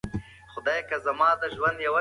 سترګې په سړو اوبو پریمنځئ.